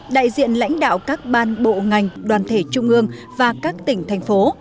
đại diện lãnh đạo các ban bộ ngành đoàn thể trung ương và các tỉnh thành phố